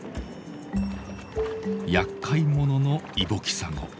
やっかい者のイボキサゴ。